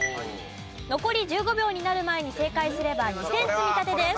残り１５秒になる前に正解すれば２点積み立てです。